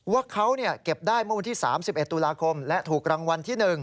ว่าเขาเก็บได้เมื่อวันที่๓๑ตุลาคมและถูกรางวัลที่๑